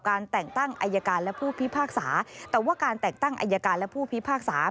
การแต่งตั้งอายการและผู้พิพากษา